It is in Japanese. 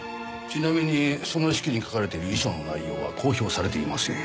ちなみにその手記に書かれている遺書の内容は公表されていません。